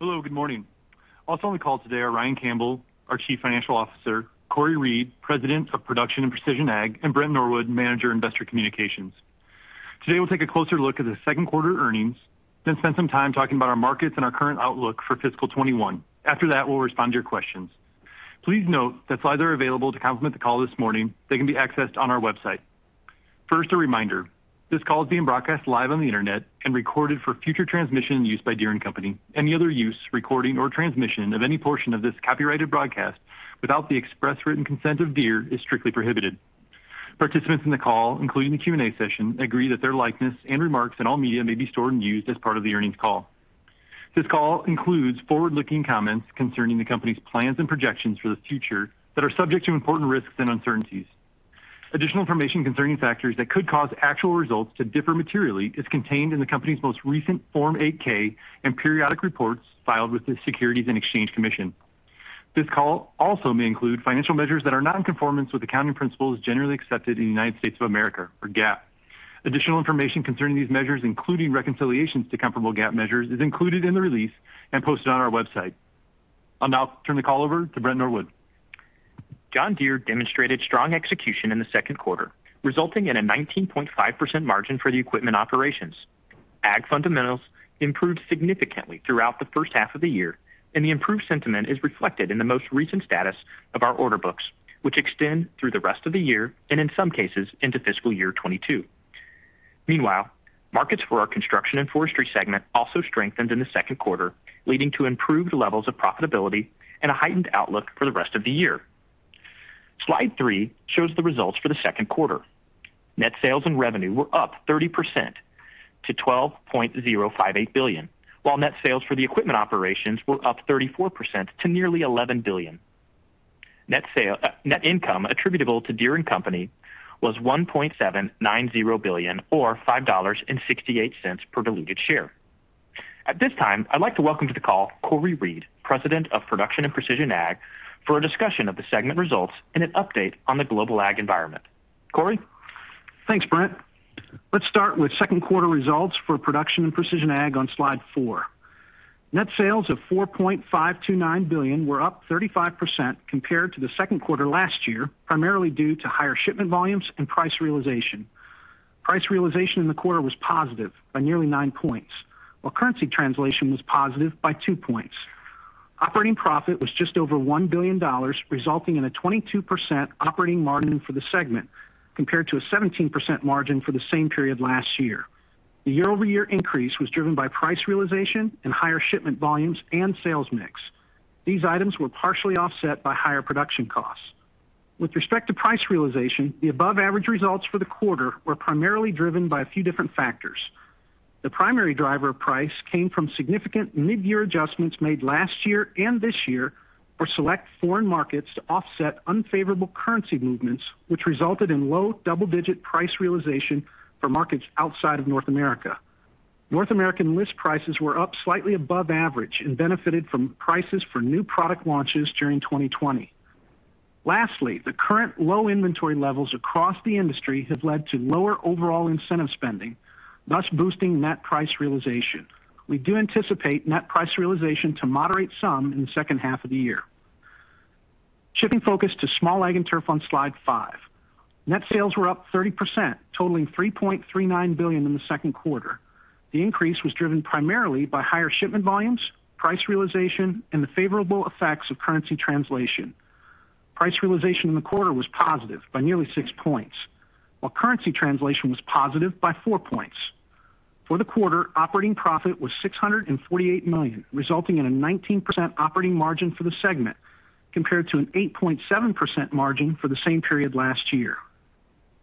Hello, good morning. Also on the call today are Ryan Campbell, our Chief Financial Officer, Cory Reed, President, Production and Precision Ag, and Brent Norwood, Manager, Investor Communications. Today we'll take a closer look at the second quarter earnings, then spend some time talking about our markets and our current outlook for fiscal 2021. After that, we'll respond to your questions. Please note that slides are available to complement the call this morning. They can be accessed on our website. First, a reminder, this call is being broadcast live on the internet and recorded for future transmission and use by Deere & Company. Any other use, recording, or transmission of any portion of this copyrighted broadcast without the express written consent of Deere is strictly prohibited. Participants in the call, including the Q&A session, agree that their likeness and remarks in all media may be stored and used as part of the earnings call. This call includes forward-looking comments concerning the company's plans and projections for the future that are subject to important risks and uncertainties. Additional information concerning factors that could cause actual results to differ materially is contained in the company's most recent Form 8-K and periodic reports filed with the Securities and Exchange Commission. This call also may include financial measures that are not in conformance with accounting principles generally accepted in the United States of America, or GAAP. Additional information concerning these measures, including reconciliations to comparable GAAP measures, is included in the release and posted on our website. I'll now turn the call over to Brent Norwood. John Deere demonstrated strong execution in the second quarter, resulting in a 19.5% margin for the equipment operations. Ag fundamentals improved significantly throughout the first half of the year, and the improved sentiment is reflected in the most recent status of our order books, which extend through the rest of the year and, in some cases, into fiscal year 2022. Meanwhile, markets for our Construction & Forestry segment also strengthened in the second quarter, leading to improved levels of profitability and a heightened outlook for the rest of the year. Slide three shows the results for the second quarter. Net sales and revenue were up 30% to $12.058 billion, while net sales for the equipment operations were up 34% to nearly $11 billion. Net income attributable to Deere & Company was $1.790 billion or $5.68 per diluted share. At this time, I'd like to welcome to the call Cory Reed, President of Production and Precision Ag, for a discussion of the segment results and an update on the global Ag environment. Cory? Thanks, Brent. Let's start with second quarter results for Production and Precision Ag on slide four. Net sales of $4.529 billion were up 35% compared to the second quarter last year, primarily due to higher shipment volumes and price realization. Price realization in the quarter was positive by nearly nine points, while currency translation was positive by two points. Operating profit was just over $1 billion, resulting in a 22% operating margin for the segment, compared to a 17% margin for the same period last year. The year-over-year increase was driven by price realization and higher shipment volumes and sales mix. These items were partially offset by higher production costs. With respect to price realization, the above-average results for the quarter were primarily driven by a few different factors. The primary driver of price came from significant mid-year adjustments made last year and this year for select foreign markets to offset unfavorable currency movements, which resulted in low double-digit price realization for markets outside of North America. North American list prices were up slightly above average and benefited from prices for new product launches during 2020. Lastly, the current low inventory levels across the industry have led to lower overall incentive spending, thus boosting net price realization. We do anticipate net price realization to moderate some in the second half of the year. Shifting focus to Small Ag and Turf on slide five. Net sales were up 30%, totaling $3.39 billion in the second quarter. The increase was driven primarily by higher shipment volumes, price realization, and the favorable effects of currency translation. Price realization in the quarter was positive by nearly six points, while currency translation was positive by four points. For the quarter, operating profit was $648 million, resulting in a 19% operating margin for the segment, compared to an 8.7% margin for the same period last year.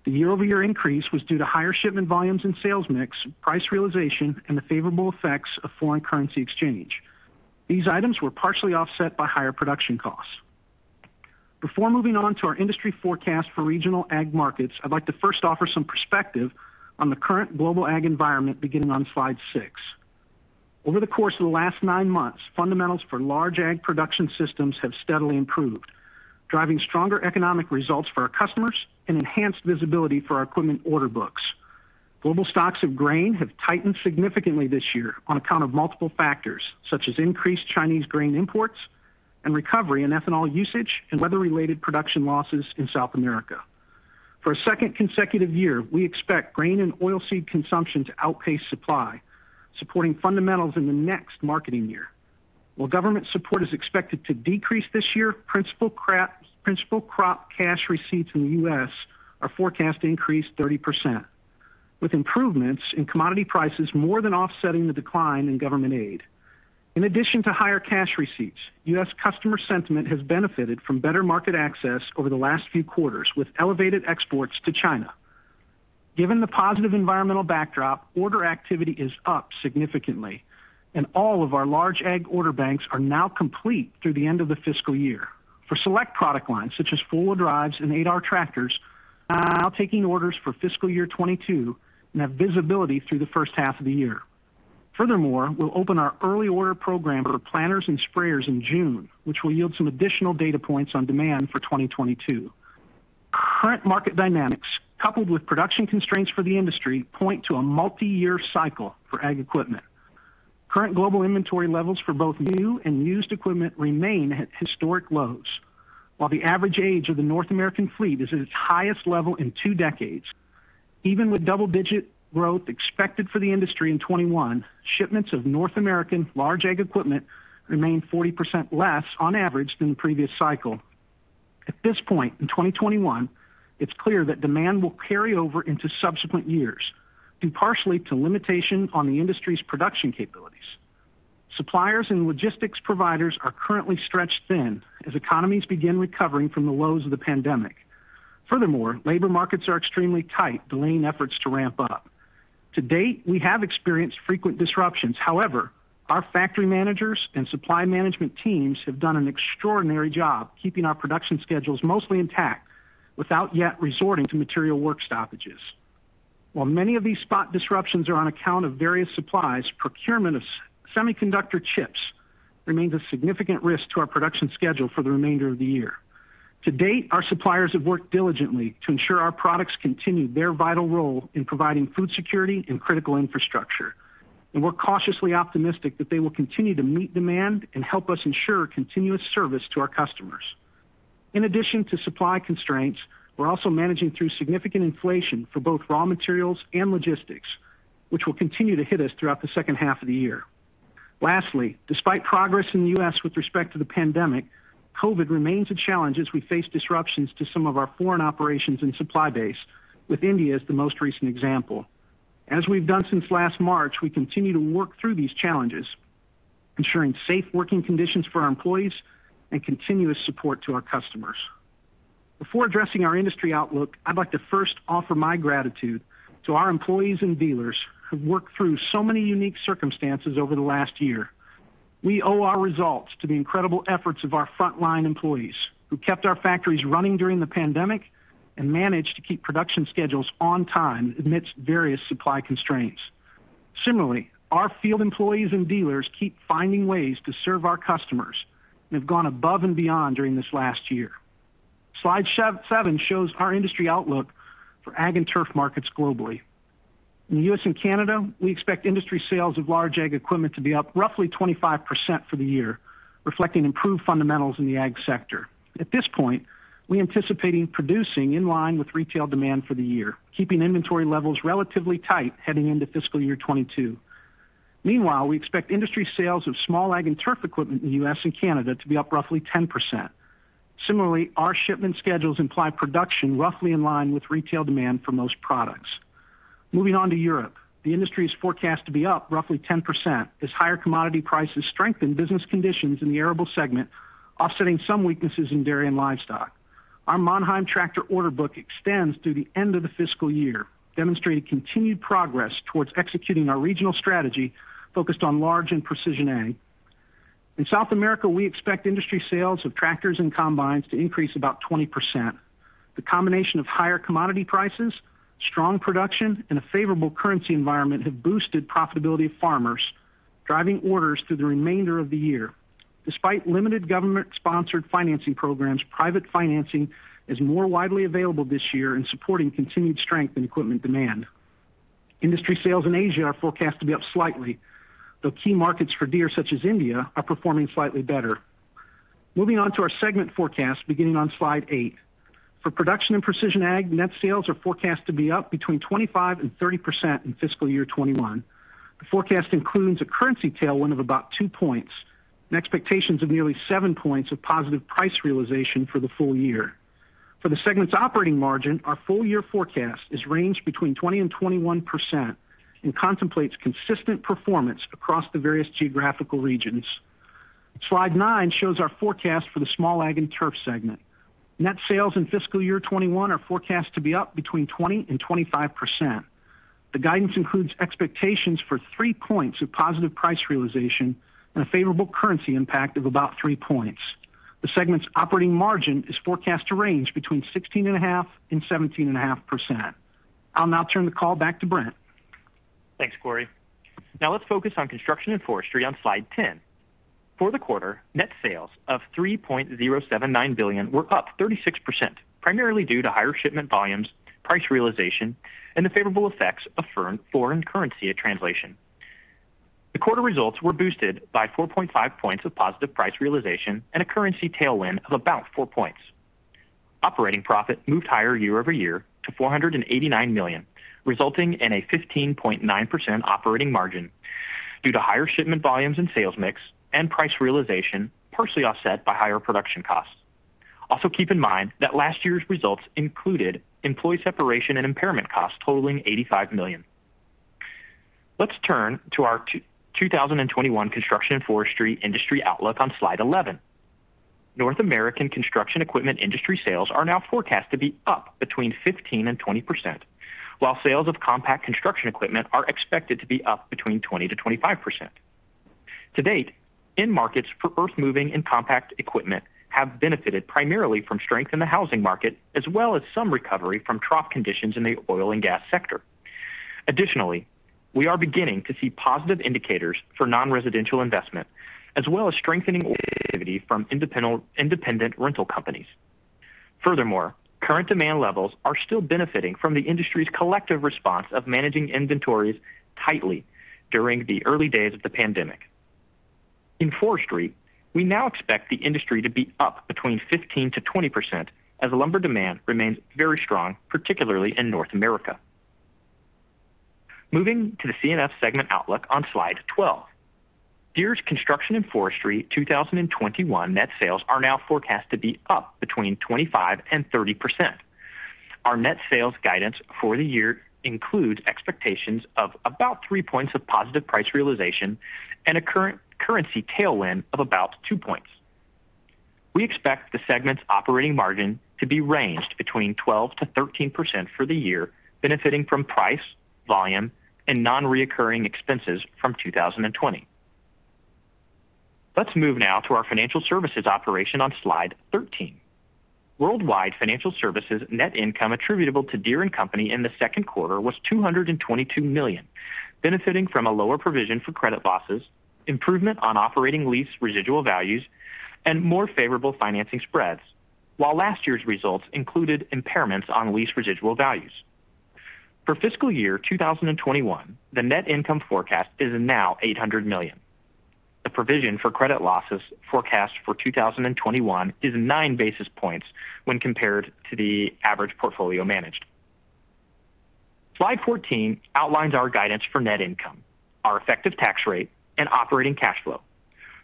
The year-over-year increase was due to higher shipment volumes and sales mix, price realization, and the favorable effects of foreign currency exchange. These items were partially offset by higher production costs. Before moving on to our industry forecast for regional Ag markets, I'd like to first offer some perspective on the current global Ag environment beginning on slide six. Over the course of the last nine months, fundamentals for Large Ag production systems have steadily improved, driving stronger economic results for our customers and enhanced visibility for our equipment order books. Global stocks of grain have tightened significantly this year on account of multiple factors such as increased Chinese grain imports and recovery in ethanol usage and weather-related production losses in South America. For a second consecutive year, we expect grain and oil seed consumption to outpace supply, supporting fundamentals in the next marketing year. While government support is expected to decrease this year, principal crop cash receipts in the U.S. are forecast to increase 30%, with improvements in commodity prices more than offsetting the decline in government aid. In addition to higher cash receipts, U.S. customer sentiment has benefited from better market access over the last few quarters with elevated exports to China. Given the positive environmental backdrop, order activity is up significantly and all of our Large Ag order banks are now complete through the end of the fiscal year. For select product lines such as four-wheel drives and 8R tractors, we are now taking orders for fiscal year 2022 and have visibility through the first half of the year. We'll open our early order program for planters and sprayers in June, which will yield some additional data points on demand for 2022. Current market dynamics, coupled with production constraints for the industry, point to a multi-year cycle for Ag equipment. Current global inventory levels for both new and used equipment remain at historic lows. While the average age of the North American fleet is at its highest level in two decades. Even with double-digit growth expected for the industry in 2021, shipments of North American Large Ag equipment remain 40% less on average than the previous cycle. At this point in 2021, it's clear that demand will carry over into subsequent years due partially to limitation on the industry's production capabilities. Suppliers and logistics providers are currently stretched thin as economies begin recovering from the lows of the pandemic. Furthermore, labor markets are extremely tight, delaying efforts to ramp up. To date, we have experienced frequent disruptions. However, our factory managers and supply management teams have done an extraordinary job keeping our production schedules mostly intact without yet resorting to material work stoppages. While many of these spot disruptions are on account of various supplies, procurement of semiconductor chips remains a significant risk to our production schedule for the remainder of the year. To date, our suppliers have worked diligently to ensure our products continue their vital role in providing food security and critical infrastructure, and we're cautiously optimistic that they will continue to meet demand and help us ensure continuous service to our customers. In addition to supply constraints, we're also managing through significant inflation for both raw materials and logistics, which will continue to hit us throughout the second half of the year. Lastly, despite progress in the U.S. with respect to the pandemic, COVID remains a challenge as we face disruptions to some of our foreign operations and supply base, with India as the most recent example. As we've done since last March, we continue to work through these challenges, ensuring safe working conditions for our employees and continuous support to our customers. Before addressing our industry outlook, I'd like to first offer my gratitude to our employees and dealers who have worked through so many unique circumstances over the last year. We owe our results to the incredible efforts of our frontline employees who kept our factories running during the pandemic and managed to keep production schedules on time amidst various supply constraints. Similarly, our field employees and dealers keep finding ways to serve our customers who have gone above and beyond during this last year. Slide seven shows our industry outlook for Ag and Turf markets globally. In the U.S. and Canada, we expect industry sales of Large Ag equipment to be up roughly 25% for the year, reflecting improved fundamentals in the Ag sector. At this point, we anticipate producing in line with retail demand for the year, keeping inventory levels relatively tight heading into fiscal year 2022. Meanwhile, we expect industry sales of Small Ag and Turf equipment in the U.S. and Canada to be up roughly 10%. Similarly, our shipment schedules imply production roughly in line with retail demand for most products. Moving on to Europe. The industry is forecast to be up roughly 10% as higher commodity prices strengthen business conditions in the arable segment, offsetting some weaknesses in dairy and livestock. Our Mannheim tractor order book extends to the end of the fiscal year, demonstrating continued progress towards executing our regional strategy focused on Production and Precision Ag. In South America, we expect industry sales of tractors and combines to increase about 20%. The combination of higher commodity prices, strong production, and a favorable currency environment have boosted profitability of farmers, driving orders through the remainder of the year. Despite limited government-sponsored financing programs, private financing is more widely available this year and supporting continued strength in equipment demand. Industry sales in Asia are forecast to be up slightly, though key markets for Deere such as India are performing slightly better. Moving on to our segment forecast beginning on slide eight. For Production and Precision Ag, net sales are forecast to be up between 25%-30% in fiscal year 2021. The forecast includes a currency tailwind of about 2 points and expectations of nearly 7 points of positive price realization for the full-year. For the segment's operating margin, our full-year forecast is ranged between 20%-21% and contemplates consistent performance across the various geographical regions. Slide nine shows our forecast for the Small Ag and Turf segment. Net sales in fiscal year 2021 are forecast to be up between 20%-25%. The guidance includes expectations for three points of positive price realization and a favorable currency impact of about three points. The segment's operating margin is forecast to range between 16.5% and 17.5%. I'll now turn the call back to Brent. Thanks, Cory. Now let's focus on Construction & Forestry on slide 10. For the quarter, net sales of $3.079 billion were up 36%, primarily due to higher shipment volumes, price realization, and the favorable effects of foreign currency translation. The quarter results were boosted by 4.5 points of positive price realization and a currency tailwind of about four points. Operating profit moved higher year-over-year to $489 million, resulting in a 15.9% operating margin due to higher shipment volumes and sales mix and price realization partially offset by higher production costs. Also, keep in mind that last year's results included employee separation and impairment costs totaling $85 million. Let's turn to our 2021 Construction & Forestry industry outlook on slide 11. North American construction equipment industry sales are now forecast to be up between 15%-20%, while sales of compact construction equipment are expected to be up between 20%-25%. To date, end markets for earthmoving and compact equipment have benefited primarily from strength in the housing market as well as some recovery from trough conditions in the oil and gas sector. Additionally, we are beginning to see positive indicators for non-residential investment, as well as strengthening activity from independent rental companies. Furthermore, current demand levels are still benefiting from the industry's collective response of managing inventories tightly during the early days of the pandemic. In forestry, we now expect the industry to be up between 15%-20% as lumber demand remains very strong, particularly in North America. Moving to the C&F segment outlook on slide 12. Deere's Construction & Forestry 2021 net sales are now forecast to be up between 25% and 30%. Our net sales guidance for the year includes expectations of about three points of positive price realization and a currency tailwind of about two points. We expect the segment's operating margin to be ranged between 12%-13% for the year, benefiting from price, volume, and non-reoccurring expenses from 2020. Let's move now to our financial services operation on slide 13. Worldwide financial services net income attributable to Deere & Company in the second quarter was $222 million, benefiting from a lower provision for credit losses, improvement on operating lease residual values, and more favorable financing spreads. While last year's results included impairments on lease residual values. For fiscal year 2021, the net income forecast is now $800 million. The provision for credit losses forecast for 2021 is nine basis points when compared to the average portfolio managed. Slide 14 outlines our guidance for net income, our effective tax rate, and operating cash flow.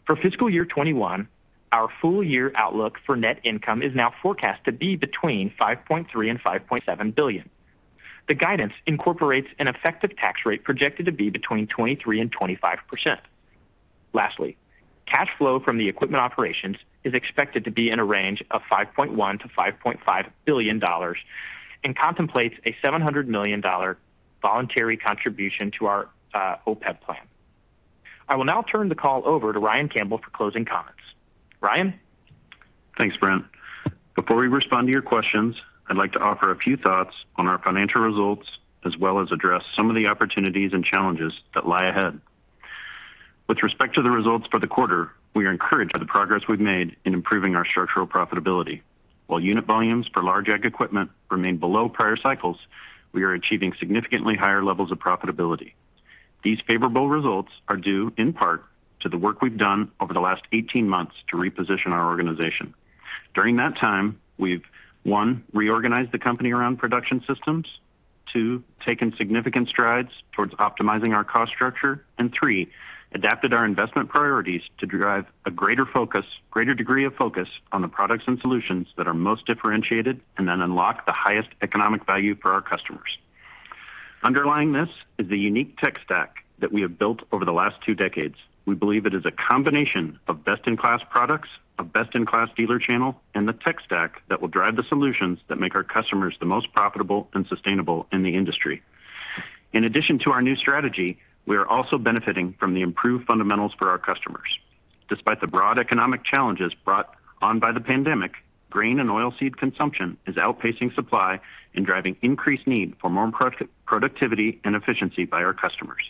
For fiscal year 2021, our full-year outlook for net income is now forecast to be between $5.3 billion and $5.7 billion. The guidance incorporates an effective tax rate projected to be between 23% and 25%. Lastly, cash flow from the equipment operations is expected to be in a range of $5.1 billion to $5.5 billion and contemplates a $700 million voluntary contribution to our OPEB plan. I will now turn the call over to Ryan Campbell for closing comments. Ryan? Thanks, Brent. Before we respond to your questions, I'd like to offer a few thoughts on our financial results, as well as address some of the opportunities and challenges that lie ahead. With respect to the results for the quarter, we are encouraged by the progress we've made in improving our structural profitability. While unit volumes for Large Ag equipment remain below prior cycles, we are achieving significantly higher levels of profitability. These favorable results are due in part to the work we've done over the last 18 months to reposition our organization. During that time, we've, one, reorganized the company around production systems. Two, taken significant strides towards optimizing our cost structure. Three, adapted our investment priorities to drive a greater degree of focus on the products and solutions that are most differentiated and that unlock the highest economic value for our customers. Underlying this is the unique tech stack that we have built over the last two decades. We believe it is a combination of best-in-class products, a best-in-class dealer channel, and the tech stack that will drive the solutions that make our customers the most profitable and sustainable in the industry. In addition to our new strategy, we are also benefiting from the improved fundamentals for our customers. Despite the broad economic challenges brought on by the pandemic, grain and oilseed consumption is outpacing supply and driving increased need for more productivity and efficiency by our customers.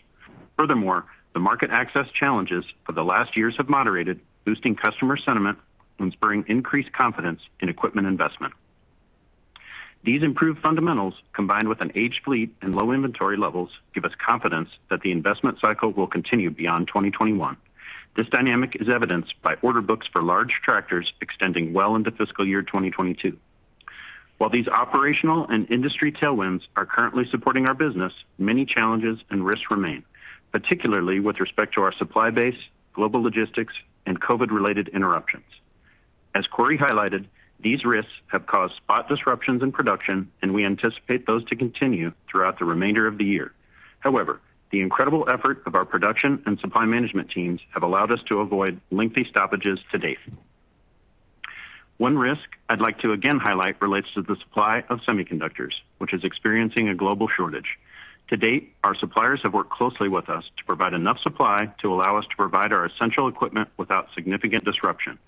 The market access challenges for the last years have moderated, boosting customer sentiment and spurring increased confidence in equipment investment. These improved fundamentals, combined with an aged fleet and low inventory levels, give us confidence that the investment cycle will continue beyond 2021. This dynamic is evidenced by order books for large tractors extending well into fiscal year 2022. While these operational and industry tailwinds are currently supporting our business, many challenges and risks remain, particularly with respect to our supply base, global logistics, and COVID-related interruptions. As Cory highlighted, these risks have caused spot disruptions in production, and we anticipate those to continue throughout the remainder of the year. However, the incredible effort of our production and supply management teams have allowed us to avoid lengthy stoppages to date. One risk I'd like to again highlight relates to the supply of semiconductors, which is experiencing a global shortage. To date, our suppliers have worked closely with us to provide enough supply to allow us to provide our essential equipment without significant disruption.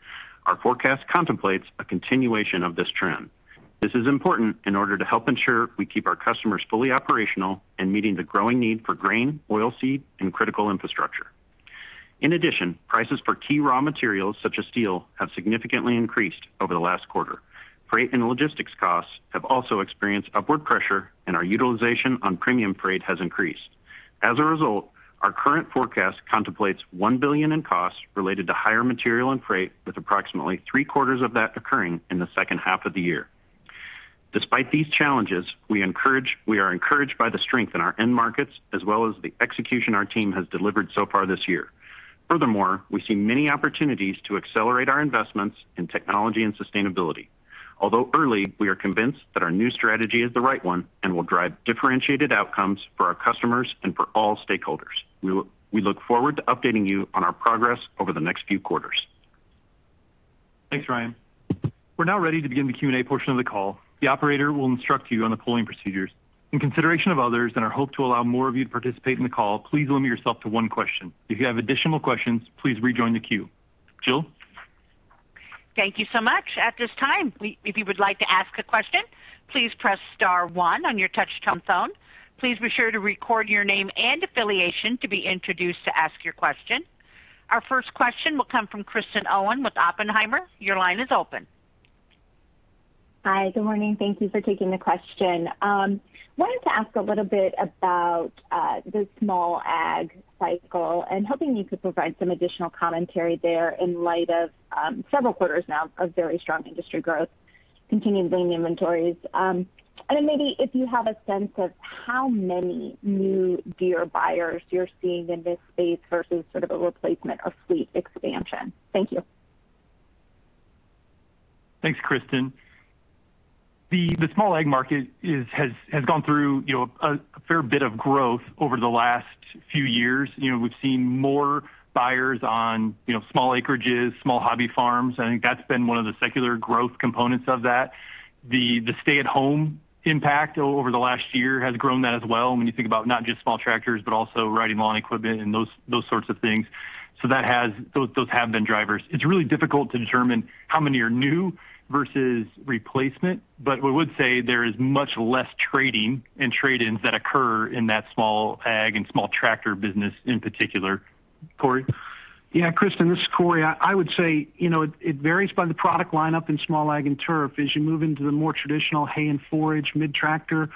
Our forecast contemplates a continuation of this trend. This is important in order to help ensure we keep our customers fully operational and meeting the growing need for grain, oil seed, and critical infrastructure. In addition, prices for key raw materials such as steel have significantly increased over the last quarter. Freight and logistics costs have also experienced upward pressure, and our utilization on premium freight has increased. As a result, our current forecast contemplates $1 billion in costs related to higher material and freight, with approximately three quarters of that occurring in the second half of the year. Despite these challenges, we are encouraged by the strength in our end markets as well as the execution our team has delivered so far this year. Furthermore, we see many opportunities to accelerate our investments in technology and sustainability. Although early, we are convinced that our new strategy is the right one and will drive differentiated outcomes for our customers and for all stakeholders. We look forward to updating you on our progress over the next few quarters. Thanks, Ryan. We're now ready to begin the Q&A portion of the call. The operator will instruct you on the polling procedures. In consideration of others and our hope to allow more of you to participate in the call, please limit yourself to one question. If you have additional questions, please rejoin the queue. Jill? Thank you so much. At this time, if you would like to ask a question, please press star one on your touch-tone phone. Please be sure to record your name and affiliation to be introduced to ask your question. Our first question will come from Kristen Owen with Oppenheimer. Your line is open. Hi. Good morning. Thank you for taking the question. Wanted to ask a little bit about the Small Ag cycle, hoping you could provide some additional commentary there in light of several quarters now of very strong industry growth, continuing lean inventories. Maybe if you have a sense of how many new Deere buyers you're seeing in this space versus sort of a replacement or fleet expansion. Thank you. Thanks, Kristen. The Small Ag market has gone through a fair bit of growth over the last few years. We've seen more buyers on small acreages, small hobby farms. I think that's been one of the secular growth components of that. The stay-at-home impact over the last year has grown that as well, when you think about not just small tractors, but also riding lawn equipment and those sorts of things. Those have been drivers. It's really difficult to determine how many are new versus replacement, but we would say there is much less trading and trade-ins that occur in that Small Ag and small tractor business in particular. Cory? Yeah, Kristen. This is Cory. I would say, it varies by the product lineup in Small Ag and Turf. As you move into the more traditional hay and forage mid-tractor,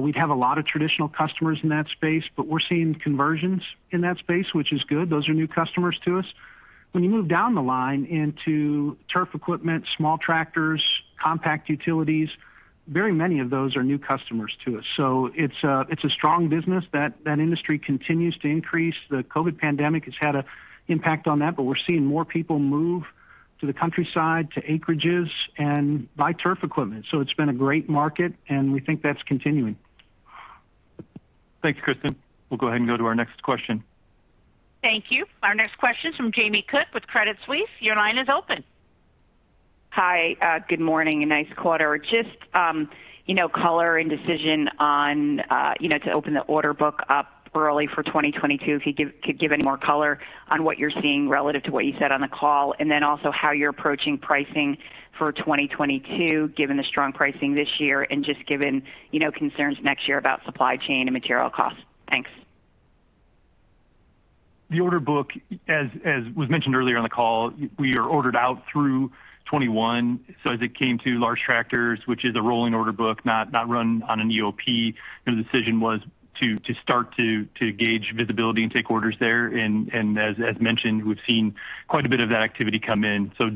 we'd have a lot of traditional customers in that space, but we're seeing conversions in that space, which is good. Those are new customers to us. When you move down the line into Turf equipment, small tractors, compact utilities, very many of those are new customers to us. It's a strong business. That industry continues to increase. The COVID pandemic has had an impact on that, but we're seeing more people move to the countryside, to acreages and buy Turf equipment. It's been a great market, and we think that's continuing. Thanks, Kristen. We'll go ahead and go to our next question. Thank you. Our next question is from Jamie Cook with Credit Suisse. Your line is open. Hi. Good morning. A nice quarter. Just color and decision on to open the order book up early for 2022. If you could give any more color on what you're seeing relative to what you said on the call, and then also how you're approaching pricing for 2022, given the strong pricing this year, and just given concerns next year about supply chain and material costs. Thanks. The order book, as was mentioned earlier on the call, we are ordered out through 2021. As it came to large tractors, which is a rolling order book, not run on an EOP, the decision was to start to gauge visibility and take orders there. As mentioned, we've seen quite a bit of that activity come in. It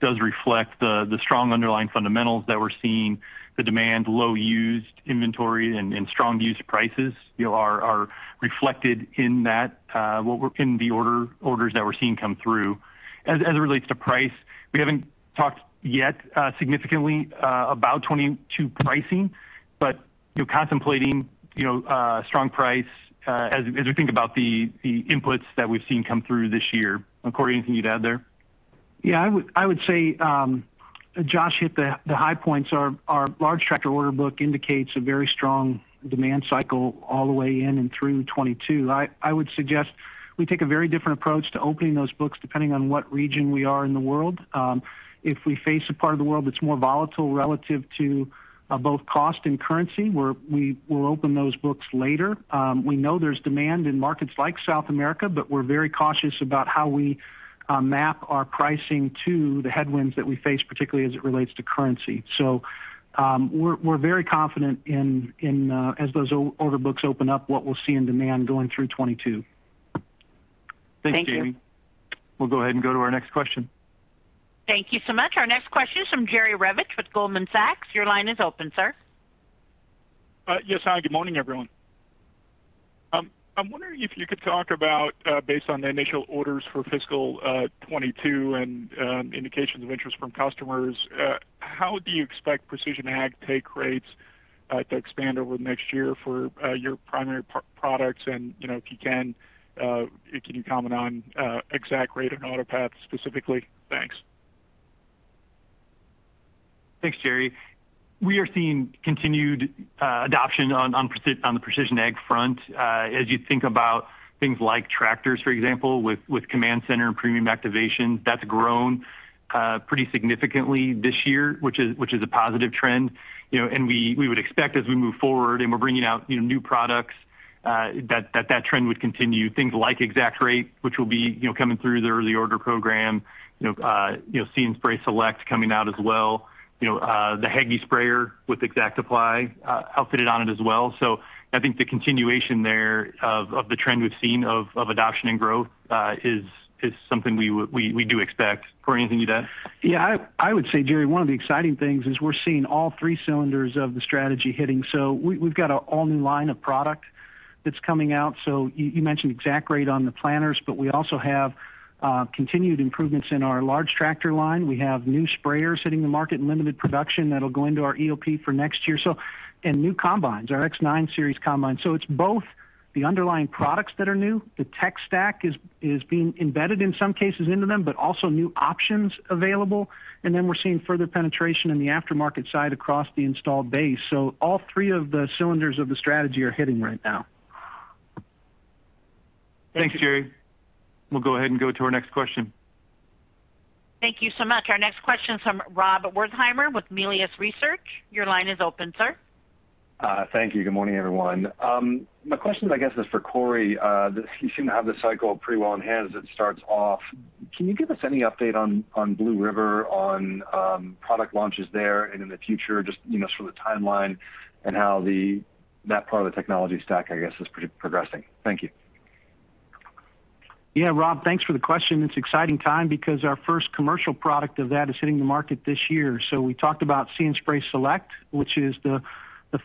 does reflect the strong underlying fundamentals that we're seeing, the demand, low used inventory, and strong used prices are reflected in the orders that we're seeing come through. As it relates to price, we haven't talked yet significantly about 2022 pricing. Contemplating a strong price as we think about the inputs that we've seen come through this year. Cory, anything you'd add there? I would say Josh hit the high points. Our large tractor order book indicates a very strong demand cycle all the way in and through 2022. I would suggest we take a very different approach to opening those books depending on what region we are in the world. If we face a part of the world that's more volatile relative to both cost and currency, we'll open those books later. We know there's demand in markets like South America, but we're very cautious about how we map our pricing to the headwinds that we face, particularly as it relates to currency. We're very confident as those order books open up, what we'll see in demand going through 2022. Thank you. Thanks, Jamie. We'll go ahead and go to our next question. Thank you so much. Our next question is from Jerry Revich with Goldman Sachs. Your line is open, sir. Yes. Hi. Good morning, everyone. I'm wondering if you could talk about based on the initial orders for fiscal 2022 and indications of interest from customers, how do you expect Precision Ag take rates to expand over next year for your primary products? If you can you comment on ExactRate and AutoPath specifically? Thanks. Thanks, Jerry. We are seeing continued adoption on the Precision Ag front. As you think about things like tractors, for example, with CommandCenter and Premium Activation, that's grown pretty significantly this year, which is a positive trend. We would expect as we move forward and we're bringing out new products, that trend would continue. Things like ExactRate, which will be coming through the early order program. See & Spray Select coming out as well. The Hagie sprayer with ExactApply outfitted on it as well. I think the continuation there of the trend we've seen of adoption and growth is something we do expect. Cory, anything to add? I would say, Jerry, one of the exciting things is we're seeing all three cylinders of the strategy hitting. We've got an all-new line of product that's coming out. You mentioned ExactRate on the planters, but we also have continued improvements in our large tractor line. We have new sprayers hitting the market in limited production that'll go into our EOP for next year. New combines, our X9 series combines. It's both the underlying products that are new. The tech stack is being embedded in some cases into them, but also new options available. We're seeing further penetration in the aftermarket side across the installed base. All three of the cylinders of the strategy are hitting right now. Thanks, Jerry. We'll go ahead and go to our next question. Thank you so much. Our next question is from Rob Wertheimer with Melius Research. Your line is open, sir. Thank you. Good morning, everyone. My question, I guess, is for Cory. You seem to have the cycle pretty well in hand as it starts off. Can you give us any update on Blue River, on product launches there and in the future, just so the timeline and how that part of the technology stack, I guess, is progressing? Thank you. Yeah, Rob, thanks for the question. It's an exciting time because our first commercial product of that is hitting the market this year. We talked about See & Spray Select, which is the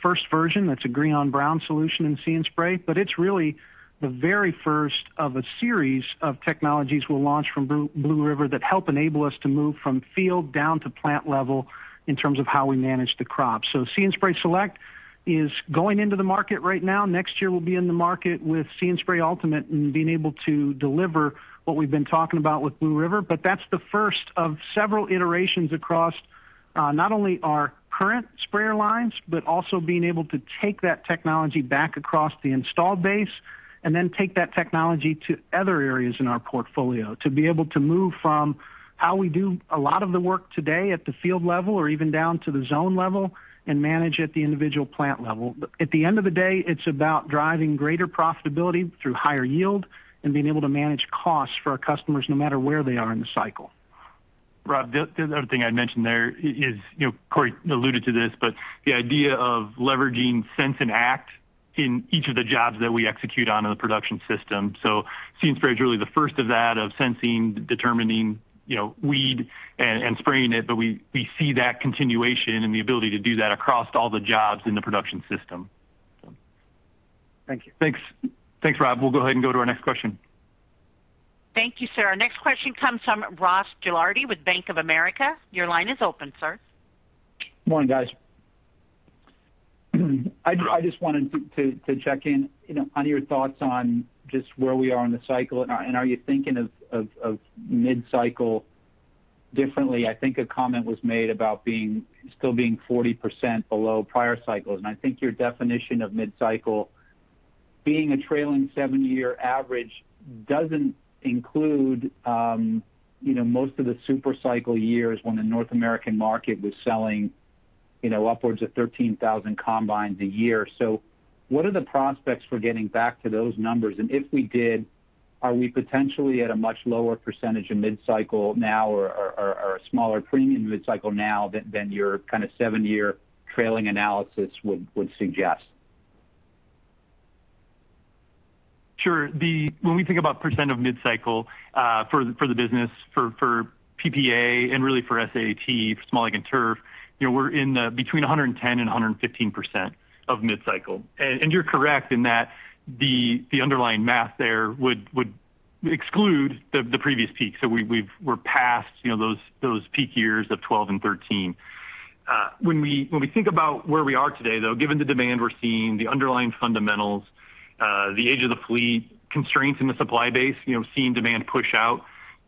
first version that's a green-on-brown solution in See & Spray. It's really the very first of a series of technologies we'll launch from Blue River that help enable us to move from field down to plant level in terms of how we manage the crop. See & Spray Select is going into the market right now. Next year, we'll be in the market with See & Spray Ultimate and being able to deliver what we've been talking about with Blue River. That's the first of several iterations across not only our current sprayer lines, but also being able to take that technology back across the installed base, and then take that technology to other areas in our portfolio. To be able to move from how we do a lot of the work today at the field level or even down to the zone level and manage at the individual plant level. At the end of the day, it's about driving greater profitability through higher yield and being able to manage costs for our customers no matter where they are in the cycle. Rob, the other thing I'd mention there is, Cory alluded to this, the idea of leveraging Sense & Act in each of the jobs that we execute on in the production system. See & Spray is really the first of that, of sensing, determining weed and spraying it. We see that continuation and the ability to do that across all the jobs in the production system. Thank you. Thanks. Thanks, Rob. We'll go ahead and go to our next question. Thank you, sir. Our next question comes from Ross Gilardi with Bank of America. Your line is open, sir. Good morning, guys. I just wanted to check in on your thoughts on just where we are in the cycle, and are you thinking of mid-cycle differently? I think a comment was made about still being 40% below prior cycles, and I think your definition of mid-cycle being a trailing seven year average doesn't include most of the super cycle years when the North American market was selling upwards of 13,000 combines a year. What are the prospects for getting back to those numbers? If we did, are we potentially at a much lower percentage of mid-cycle now or a smaller premium mid-cycle now than your kind of seven year trailing analysis would suggest? Sure. When we think about percent of mid-cycle for the business, for PPA and really for SAT, Small Ag and Turf, we're in between 110% and 115% of mid-cycle. You're correct in that the underlying math there would exclude the previous peak. We're past those peak years of 2012 and 2013. When we think about where we are today, though, given the demand we're seeing, the underlying fundamentals, the age of the fleet constraints in the supply base, seeing demand push out,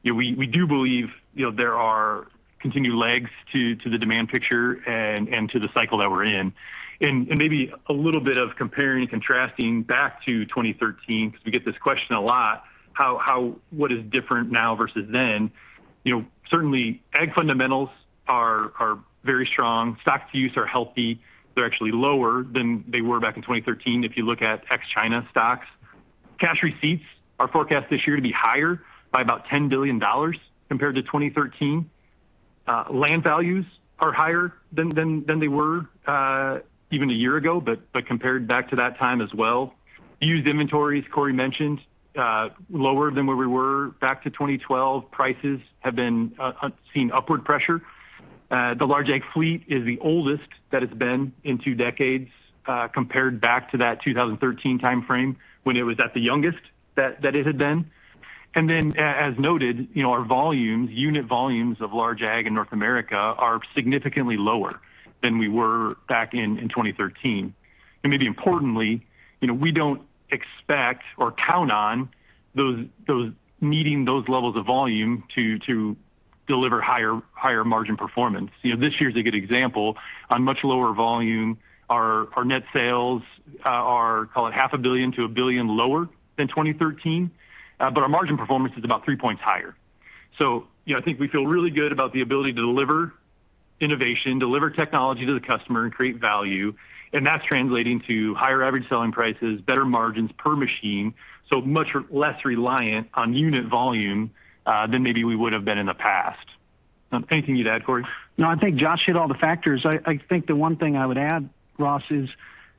we do believe there are continued legs to the demand picture and to the cycle that we're in. Maybe a little bit of comparing and contrasting back to 2013, because we get this question a lot, what is different now versus then? Certainly, Ag fundamentals are very strong. Stocks use are healthy. They're actually lower than they were back in 2013 if you look at ex-China stocks. Cash receipts are forecast this year to be higher by about $10 billion compared to 2013. Land values are higher than they were even a year ago, but compared back to that time as well. Used inventories, Cory mentioned, lower than where we were back to 2012. Prices have been seeing upward pressure. The Large Ag fleet is the oldest that it's been in two decades compared back to that 2013 timeframe when it was at the youngest that it had been. As noted, our unit volumes of Large Ag in North America are significantly lower than we were back in 2013. Maybe importantly, we don't expect or count on needing those levels of volume to deliver higher margin performance. This year is a good example. On much lower volume, our net sales are, call it half a billion to a billion lower than 2013. Our margin performance is about three points higher. I think we feel really good about the ability to deliver innovation, deliver technology to the customer, and create value, and that's translating to higher average selling prices, better margins per machine, so much less reliant on unit volume than maybe we would have been in the past. Anything you'd add, Cory? I think Josh hit all the factors. I think the one thing I would add, Ross, is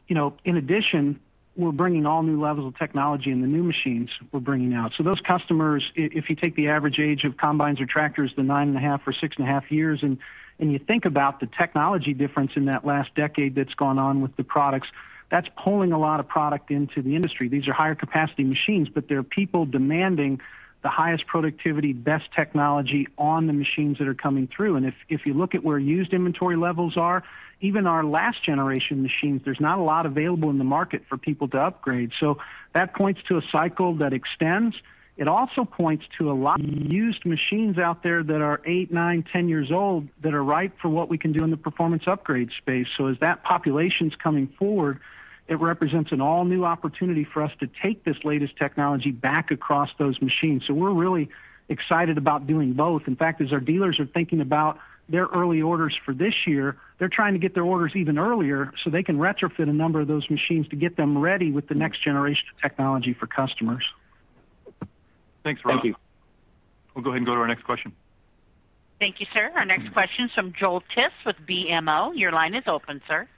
in addition, we're bringing all new levels of technology in the new machines we're bringing out. Those customers, if you take the average age of combines or tractors, the 9.5 or 6.5 years, and you think about the technology difference in that last decade that's gone on with the products, that's pulling a lot of product into the industry. These are higher capacity machines, but there are people demanding the highest productivity, best technology on the machines that are coming through. If you look at where used inventory levels are, even our last generation machines, there's not a lot available in the market for people to upgrade. That points to a cycle that extends. It also points to a lot of used machines out there that are eight, nine, 10 years old that are ripe for what we can do in the performance upgrade space. As that population's coming forward, it represents an all-new opportunity for us to take this latest technology back across those machines. We're really excited about doing both. In fact, as our dealers are thinking about their early orders for this year, they're trying to get their orders even earlier so they can retrofit a number of those machines to get them ready with the next generation of technology for customers. Thanks, Ross. Thank you. We'll go ahead and go to our next question. Thank you, sir. Our next question is from Joel Tiss with BMO. Your line is open, sir.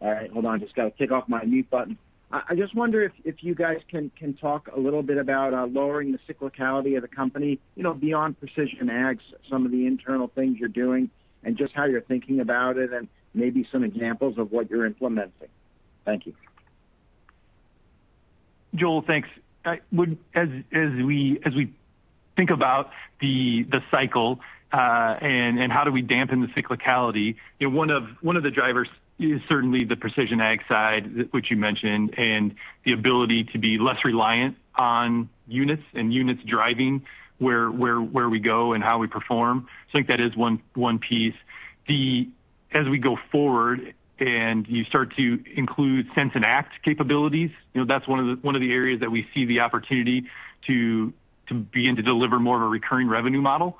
All right. Hold on. Just got to take off my mute button. I just wonder if you guys can talk a little bit about lowering the cyclicality of the company, beyond Precision Ag, some of the internal things you're doing and just how you're thinking about it, and maybe some examples of what you're implementing? Thank you. Joel, thanks. As we think about the cycle and how do we dampen the cyclicality, one of the drivers is certainly the Precision Ag side, which you mentioned, and the ability to be less reliant on units and units driving where we go and how we perform. I think that is one piece. As we go forward and you start to include Sense and Act capabilities, that's one of the areas that we see the opportunity to begin to deliver more of a recurring revenue model,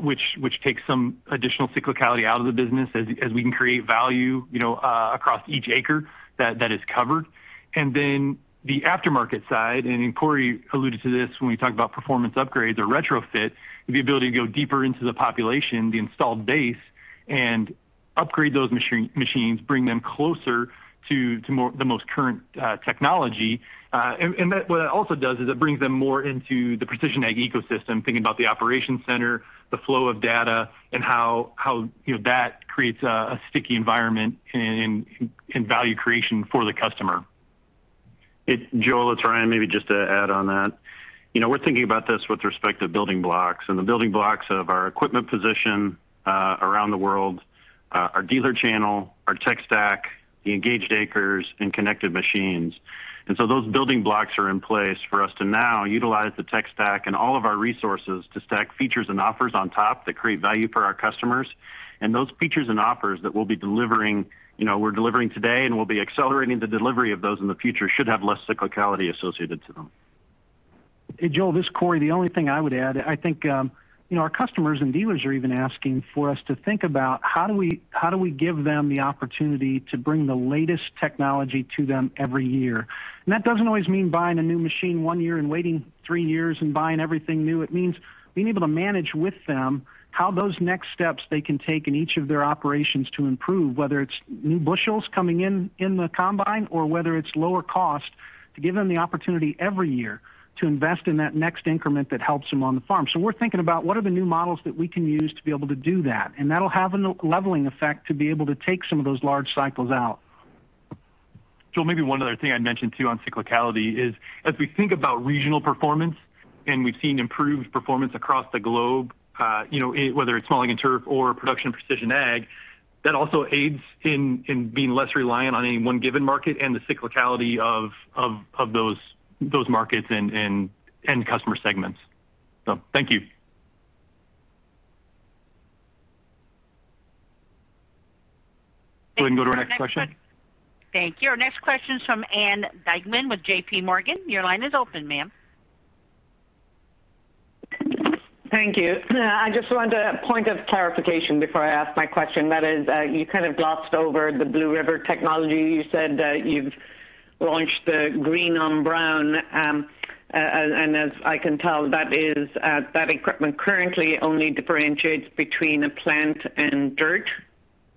which takes some additional cyclicality out of the business as we can create value across each acre that is covered. Then the aftermarket side, and Cory alluded to this when we talked about performance upgrades or retrofit, the ability to go deeper into the population, the installed base, and upgrade those machines, bring them closer to the most current technology. What that also does is it brings them more into the Precision Ag ecosystem, thinking about the Operations Center, the flow of data, and how that creates a sticky environment and value creation for the customer. Joel, it's Ryan. Maybe just to add on that. We're thinking about this with respect to building blocks and the building blocks of our equipment position around the world, our dealer channel, our tech stack, the engaged acres, and connected machines. Those building blocks are in place for us to now utilize the tech stack and all of our resources to stack features and offers on top that create value for our customers. Those features and offers that we're delivering today and we'll be accelerating the delivery of those in the future should have less cyclicality associated to them. Hey, Joel, this is Cory. The only thing I would add, I think our customers and dealers are even asking for us to think about how do we give them the opportunity to bring the latest technology to them every year. That doesn't always mean buying a new machine one year and waiting three years and buying everything new. It means being able to manage with them how those next steps they can take in each of their operations to improve, whether it's new bushels coming in the combine or whether it's lower cost to give them the opportunity every year to invest in that next increment that helps them on the farm. We're thinking about what are the new models that we can use to be able to do that, and that'll have a leveling effect to be able to take some of those large cycles out. Joel, maybe one other thing I'd mention too on cyclicality is as we think about regional performance, and we've seen improved performance across the globe, whether it's Small Ag and Turf or Production and Precision Ag, that also aids in being less reliant on any one given market and the cyclicality of those markets and customer segments. Thank you. We can go to our next question. Thank you. Our next question is from Ann Duignan with JPMorgan. Your line is open, ma'am. Thank you. I just wanted a point of clarification before I ask my question. That is, you kind of glossed over the Blue River Technology. You said that you've launched the green-on-brown, and as I can tell, that equipment currently only differentiates between a plant and dirt,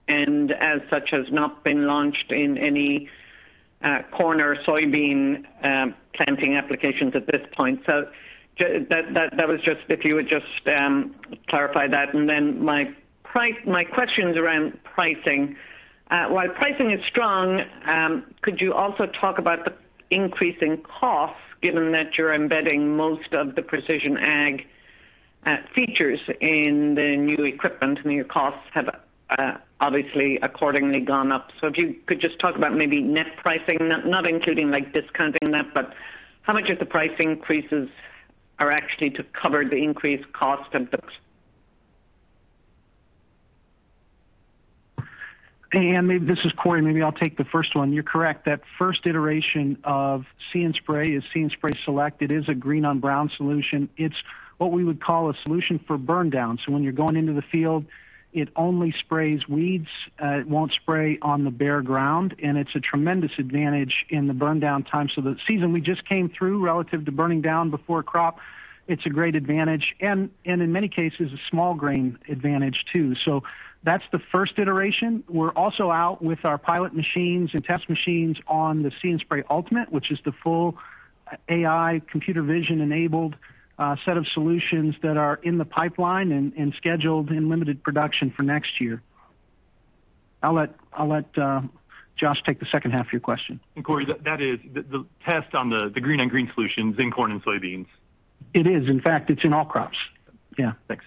and as such, has not been launched in any corn or soybean planting applications at this point. If you would just clarify that. My question is around pricing. While pricing is strong, could you also talk about the increase in cost given that you're embedding most of the Precision Ag features in the new equipment, and your costs have obviously accordingly gone up? If you could just talk about maybe net pricing, not including discounting and that, but how much of the price increases are actually to cover the increased cost of goods? Ann, this is Cory. Maybe I'll take the first one. You're correct. That first iteration of See & Spray is See & Spray Select. It is a green-on-brown solution. It's what we would call a solution for burndown. When you're going into the field, it only sprays weeds. It won't spray on the bare ground, and it's a tremendous advantage in the burndown time. The season we just came through relative to burning down before crop, it's a great advantage. In many cases, a small grain advantage too. That's the first iteration. We're also out with our pilot machines and test machines on the See & Spray Ultimate, which is the full AI computer vision-enabled set of solutions that are in the pipeline and scheduled in limited production for next year. I'll let Josh take the second half of your question. Cory, that is the test on the green-on-green solutions in corn and soybeans? It is. In fact, it's in all crops. Yeah. Thanks.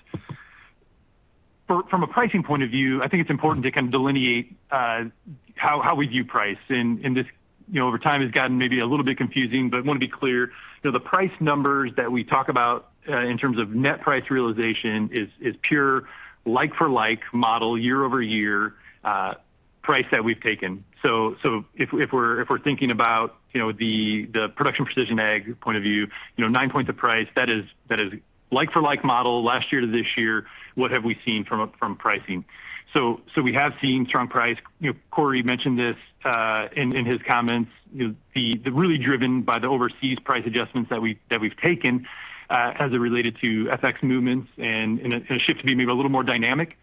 From a pricing point of view, I think it's important to kind of delineate how we view price. This over time has gotten maybe a little bit confusing, but I want to be clear. The price numbers that we talk about in terms of net price realization is pure like-for-like model year-over-year price that we've taken. If we're thinking about the Production and Precision Ag point of view, nine points of price, that is like for like model last year to this year, what have we seen from pricing? We have seen strong price. Cory mentioned this in his comments. Really driven by the overseas price adjustments that we've taken as it related to FX movements and a shift to be maybe a little more dynamic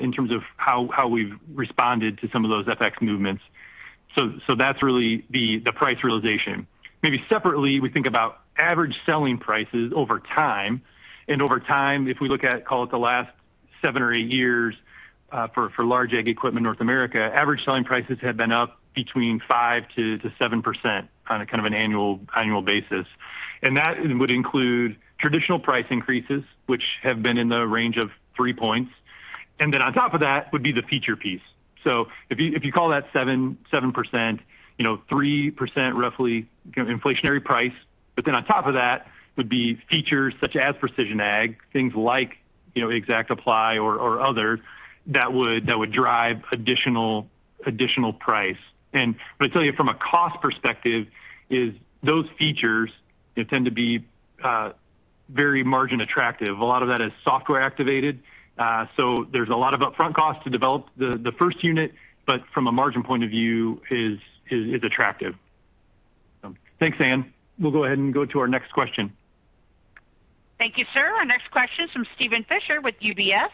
in terms of how we've responded to some of those FX movements. That's really the price realization. Maybe separately, we think about average selling prices over time. Over time, if we look at, call it the last seven or eight years, for Large Ag equipment North America, average selling prices have been up between 5%-7% on a kind of an annual basis. That would include traditional price increases, which have been in the range of three points. Then on top of that would be the feature piece. If you call that 7%, 3% roughly inflationary price. Then on top of that would be features such as Precision Ag, things like ExactApply or other, that would drive additional price. I tell you from a cost perspective, is those features tend to be very margin attractive. A lot of that is software activated. There's a lot of upfront costs to develop the first unit, but from a margin point of view, is attractive. Thanks, Ann. We'll go ahead and go to our next question. Thank you, sir. Our next question is from Steven Fisher with UBS.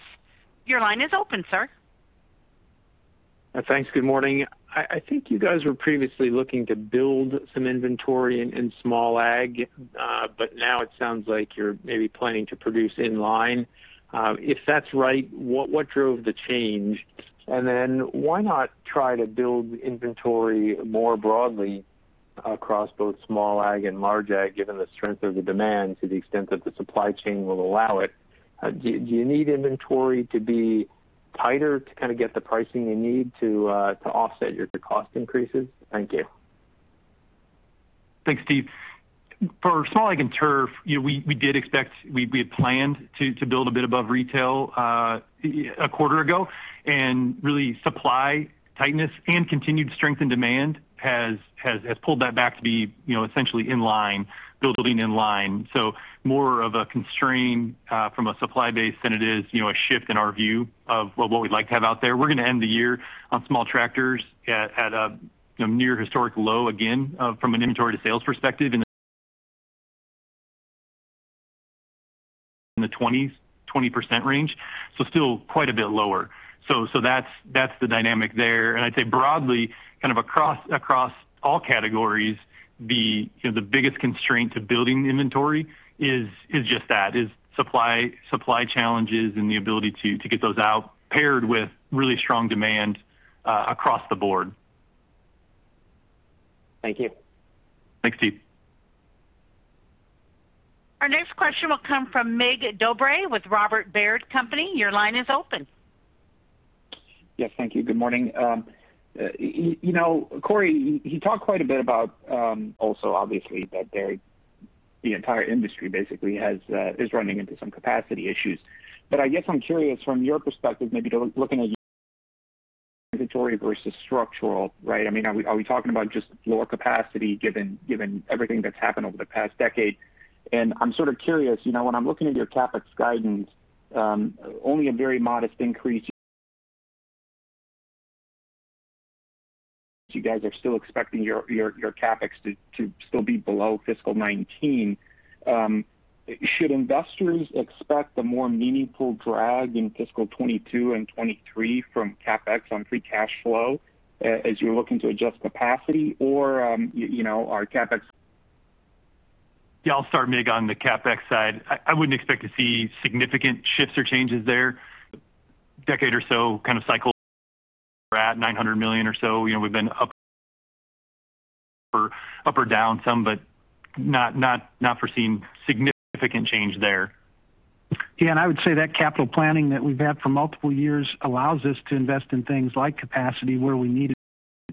Your line is open, sir. Thanks. Good morning. I think you guys were previously looking to build some inventory in Small Ag. Now it sounds like you're maybe planning to produce in line. If that's right, what drove the change? Why not try to build inventory more broadly across both Small Ag and Large Ag, given the strength of the demand to the extent that the supply chain will allow it? Do you need inventory to be tighter to kind of get the pricing you need to offset your cost increases? Thank you. Thanks, Steve. For Small Ag and Turf, we had planned to build a bit above retail a quarter ago. Really supply tightness and continued strength in demand has pulled that back to be essentially building in line. More of a constraint from a supply base than it is a shift in our view of what we'd like to have out there. We're going to end the year on small tractors at a near historic low again from an inventory to sales perspective in the 20% range. Still quite a bit lower. That's the dynamic there. I'd say broadly, kind of across all categories, the biggest constraint to building inventory is just that, is supply challenges and the ability to get those out paired with really strong demand across the board. Thank you. Thanks, Steve. Our next question will come from Mig Dobre with Robert Baird Company. Your line is open. Yes, thank you. Good morning. Cory, you talked quite a bit about also obviously that the entire industry basically is running into some capacity issues. I guess I'm curious from your perspective, maybe looking at inventory versus structural, right? Are we talking about just lower capacity given everything that's happened over the past decade? I'm sort of curious, when I'm looking at your CapEx guidance, only a very modest increase. You guys are still expecting your CapEx to still be below fiscal 2019. Should investors expect a more meaningful drag in fiscal 2022 and 2023 from CapEx on free cash flow, as you're looking to adjust capacity or are CapEx Yeah, I'll start Mig, on the CapEx side. I wouldn't expect to see significant shifts or changes there. Decade or so kind of cycle we're at $900 million or so. We've been up or down some, but not foreseeing significant change there. Yeah, and I would say that capital planning that we've had for multiple years allows us to invest in things like capacity where we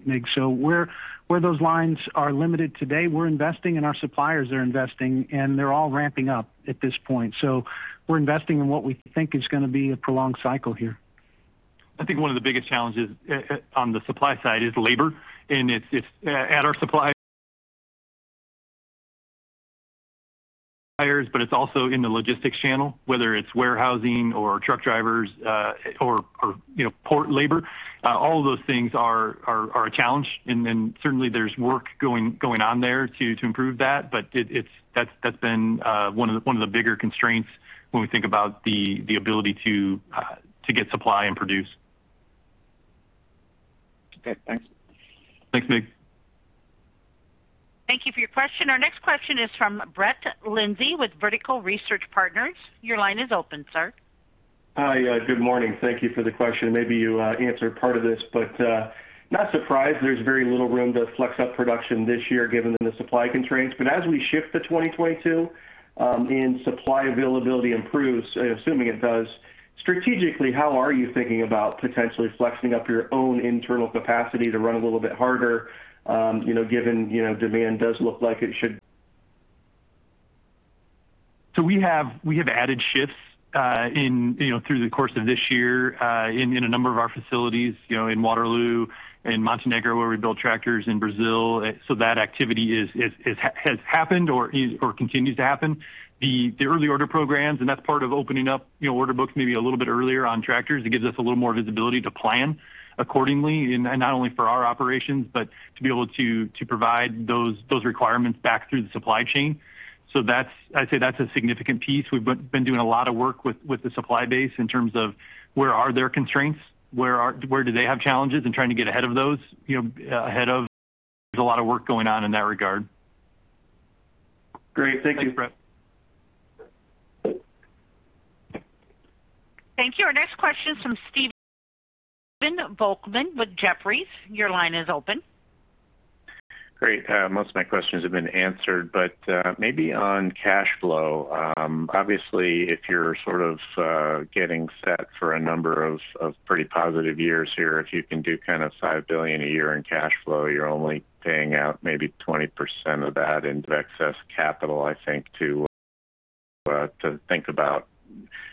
need it, Mig. Where those lines are limited today, we're investing and our suppliers are investing, and they're all ramping up at this point. We're investing in what we think is going to be a prolonged cycle here. I think one of the biggest challenges on the supply side is labor, and it's at our suppliers, but it's also in the logistics channel, whether it's warehousing or truck drivers or port labor. All of those things are a challenge and certainly there's work going on there to improve that. That's been one of the bigger constraints when we think about the ability to get supply and produce. Okay, thanks. Thanks, Mig. Thank you for your question. Our next question is from Brett Linzey with Vertical Research Partners. Your line is open, sir. Hi. Good morning. Thank you for the question. Maybe you answered part of this. Not surprised there's very little room to flex up production this year given the supply constraints. As we shift to 2022, and supply availability improves, assuming it does, strategically how are you thinking about potentially flexing up your own internal capacity to run a little bit harder? We have added shifts through the course of this year in a number of our facilities, in Waterloo, in Montenegro, where we build tractors in Brazil. That activity has happened or continues to happen. The early order programs, that's part of opening up order books maybe a little bit earlier on tractors. It gives us a little more visibility to plan accordingly, not only for our operations, but to be able to provide those requirements back through the supply chain. I'd say that's a significant piece. We've been doing a lot of work with the supply base in terms of where are their constraints, where do they have challenges, and trying to get ahead of those. There's a lot of work going on in that regard. Great. Thank you. Thank you. Our next question is from Stephen Volkmann with Jefferies. Your line is open. Great. Most of my questions have been answered, maybe on cash flow. If you're sort of getting set for a number of pretty positive years here, if you can do $5 billion a year in cash flow, you're only paying out maybe 20% of that into excess capital, I think, to think about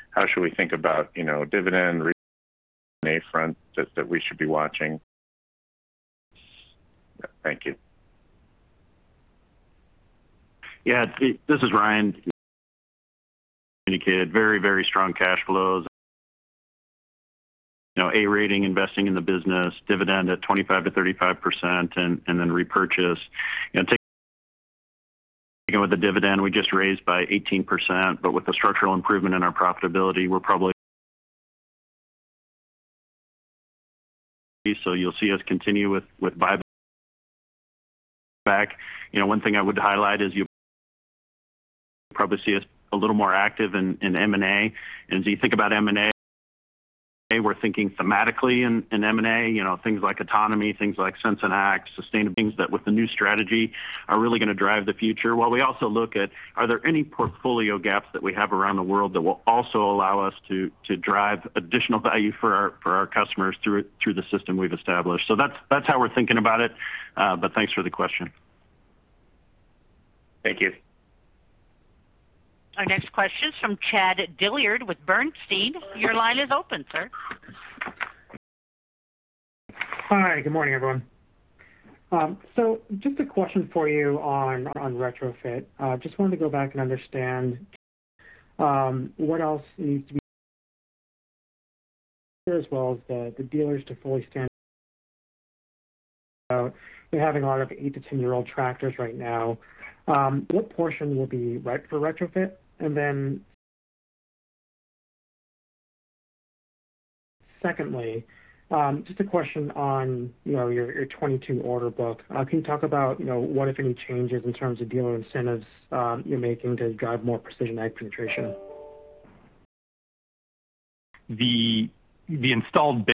how should we think about dividend, repurchase on the front that we should be watching? Thank you. Yeah. This is Ryan. As indicated, very strong cash flows. A-rating, investing in the business, dividend at 25%-35%, then repurchase. Thinking about the dividend we just raised by 18%, with the structural improvement in our profitability, we're probably going to continue to see that. You'll see us continue with buybacks. One thing I would highlight is you'll probably see us a little more active in M&A. You think about M&A, we're thinking thematically in M&A, things like autonomy, things like Sense and Act, sustainable things that with the new strategy are really going to drive the future, while we also look at are there any portfolio gaps that we have around the world that will also allow us to drive additional value for our customers through the system we've established. That's how we're thinking about it. Thanks for the question. Thank you. Our next question is from Chad Dillard with Bernstein. Your line is open, sir. Hi, good morning, everyone. Just a question for you on retrofit. Just want to go back and understand what else do you need from the field as well as the dealers to fully stand behind this? They have a lot of eight to 10 year-old tractors right now. What portion will be right for retrofit? Secondly, just a question on your 2022 order book. Can you talk about what, if any, changes in terms of dealer incentives you're making to drive more Precision Ag penetration? The installed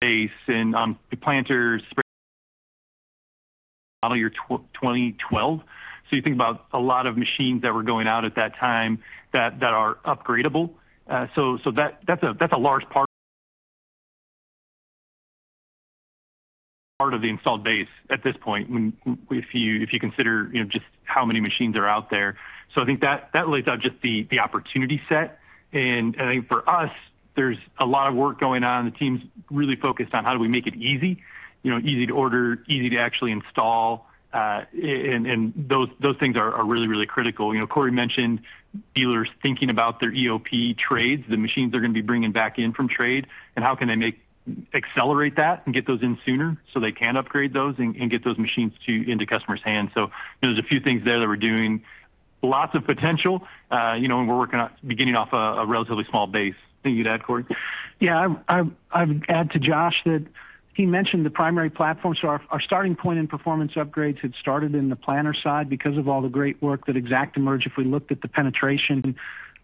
base and the planters, sprayers that were sold in the model year 2012. You think about a lot of machines that were going out at that time that are upgradable. That's a large part of the installed base at this point, if you consider just how many machines are out there. I think that lays out just the opportunity set. I think for us, there's a lot of work going on, the team's really focused on how do we make it easy. Easy to order, easy to actually install. Those things are really critical. Cory mentioned dealers thinking about their EOP trades, the machines they're going to be bringing back in from trades, and how can they accelerate that and get those in sooner so they can upgrade those and get those machines into customers' hands. There's a few things there that we're doing. Lots of potential. We're working on beginning off a relatively small base. Anything to add, Cory? Yeah. I'd add to Josh that he mentioned the primary platform. Our starting point in performance upgrades had started in the planter side because of all the great work that ExactEmerge, if we looked at the penetration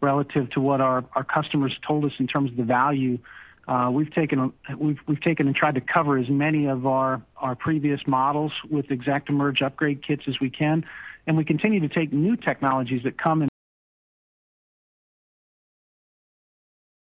relative to what our customers told us in terms of the value, we've taken and tried to cover as many of our previous models with ExactEmerge upgrade kits as we can. We continue to take new technologies that come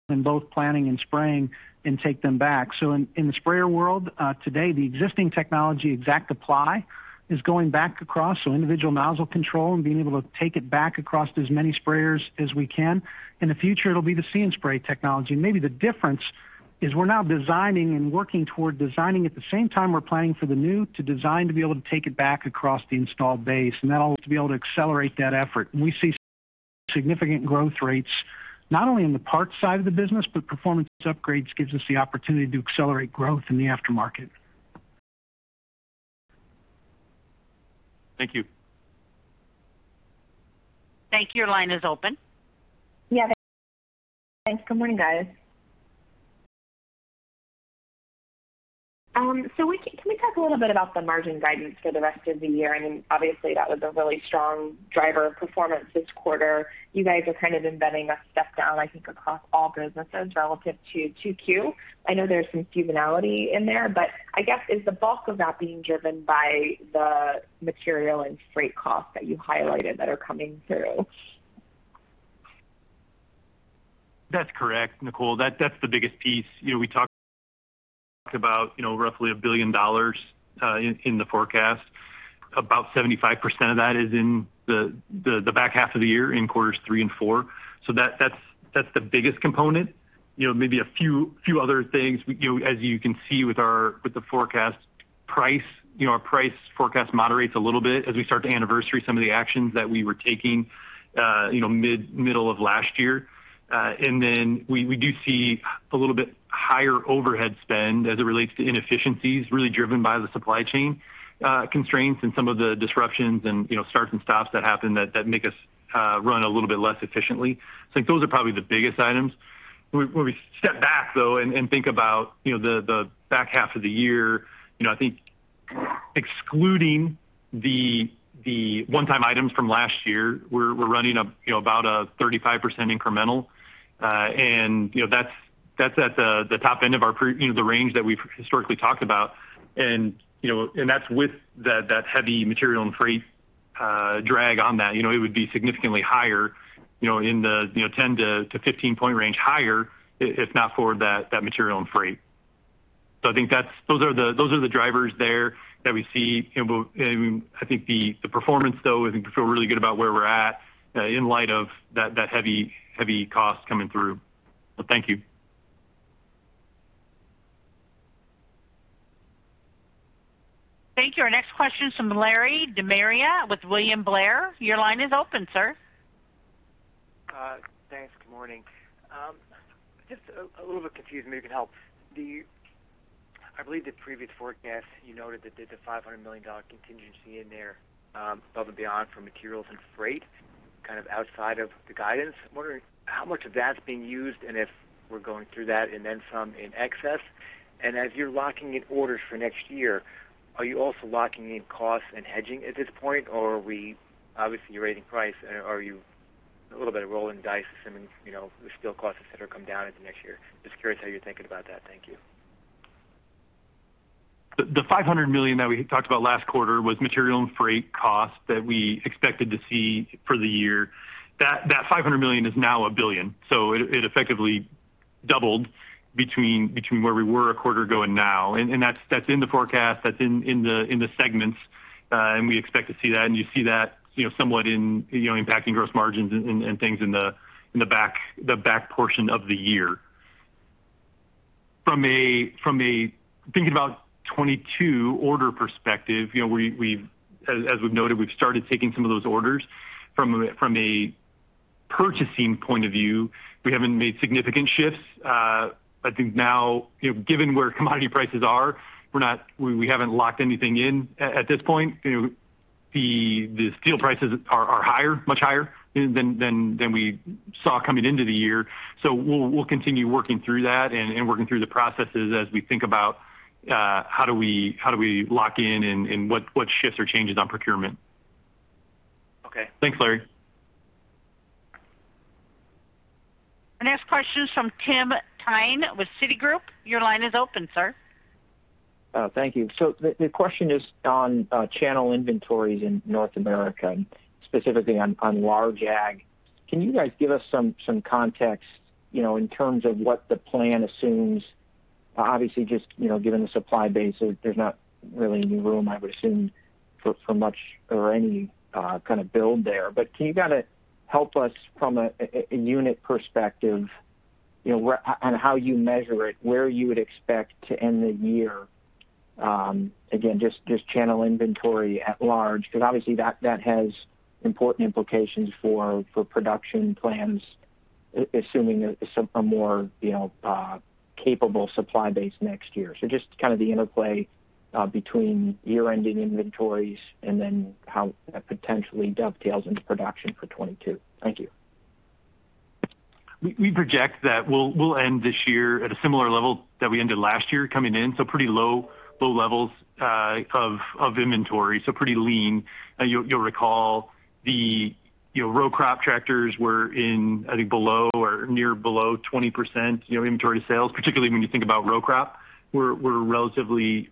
in both planting and spraying and take them back. In the sprayer world today, the existing technology, ExactApply, is going back across, individual nozzle control and being able to take it back across as many sprayers as we can. In the future, it'll be the See & Spray technology. Maybe the difference is we're now designing and working toward designing at the same time we're planning for the new to design to be able to take it back across the installed base and that'll be able to accelerate that effort. We see significant growth rates, not only in the parts side of the business, but performance upgrades gives us the opportunity to accelerate growth in the aftermarket. Thank you. Thank you. Your line is open. Yeah, thanks. Good morning, guys. Can we talk a little bit about the margin guidance for the rest of the year? Obviously, that was a really strong driver of performance this quarter. You guys are kind of embedding that stuff down, I think, across all businesses relative to 2Q. I know there's some seasonality in there, but I guess is the bulk of that being driven by the material and freight costs that you highlighted that are coming through? That's correct, Nicole. That's the biggest piece. We talked about roughly $1 billion in the forecast. About 75% of that is in the back half of the year, in quarters three and four. That's the biggest component. Maybe a few other things. As you can see with the forecast price, our price forecast moderates a little bit as we start to anniversary some of the actions that we were taking middle of last year. We do see a little bit higher overhead spend as it relates to inefficiencies, really driven by the supply chain constraints and some of the disruptions and starts and stops that happen that make us run a little bit less efficiently. Those are probably the biggest items. When we step back, though, and think about the back half of the year, I think excluding the one-time items from last year, we're running about a 35% incremental. That's at the top end of the range that we've historically talked about. That's with that heavy material and freight drag on that. It would be significantly higher, in the 10-15-point range higher if not for that material and freight. I think those are the drivers there that we see. I think the performance, though, I think we feel really good about where we're at in light of that heavy cost coming through. Thank you. Thank you. Our next question is from Larry De Maria with William Blair. Your line is open, sir. Thanks. Good morning. Just a little bit confused, maybe you can help. I believe the previous forecast, you noted that there's a $500 million contingency in there above and beyond for materials and freight, kind of outside of the guidance. I'm wondering how much of that's being used and if we're going through that and then some in excess. As you're locking in orders for next year, are you also locking in costs and hedging at this point? Are we obviously raising price and are you a little bit rolling the dice, assuming the steel costs, et cetera, come down into next year? Just curious how you're thinking about that. Thank you. The $500 million that we talked about last quarter was material and freight costs that we expected to see for the year. That $500 million is now $1 billion. It effectively doubled between where we were a quarter ago and now, and that's in the forecast, that's in the segments, and we expect to see that, and you see that somewhat impacting gross margins and things in the back portion of the year. From a thinking about 2022 order perspective, as we've noted, we've started taking some of those orders. From a purchasing point of view, we haven't made significant shifts. I think now, given where commodity prices are, we haven't locked anything in at this point. The steel prices are higher, much higher than we saw coming into the year. We'll continue working through that and working through the processes as we think about how do we lock in and what shifts or changes on procurement. Okay. Thanks, Larry. Our next question is from Tim Thein with Citigroup. Your line is open, sir. Thank you. The question is on channel inventories in North America, specifically on Large Ag. Can you guys give us some context in terms of what the plan assumes? Obviously just given the supply base, there's not really any room, I would assume, for much or any kind of build there. Can you kind of help us from a unit perspective on how you measure it, where you would expect to end the year, again, just channel inventory at large? Obviously that has important implications for production plans, assuming a more capable supply base next year. Just kind of the interplay between year-ending inventories and then how that potentially dovetails into production for 2022. Thank you. We project that we'll end this year at a similar level that we ended last year coming in, so pretty low levels of inventory, so pretty lean. You'll recall the row crop tractors were in, I think, below or near below 20% inventory sales. Particularly when you think about row crop, we're relatively